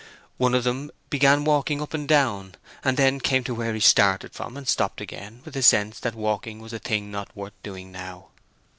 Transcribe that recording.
One of them began walking up and down, and then came to where he started from and stopped again, with a sense that walking was a thing not worth doing now.